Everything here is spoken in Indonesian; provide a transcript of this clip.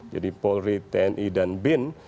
jadi polri tni dan bin